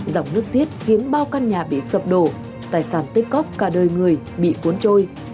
dòng nước xiết khiến bao căn nhà bị sập đổ tài sản tích cóc cả đời người bị cuốn trôi